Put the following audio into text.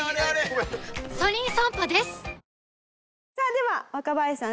では若林さん